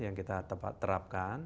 yang kita terapkan